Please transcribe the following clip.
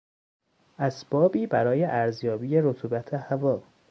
اسبابی برای ارزیابی رطوبت هوا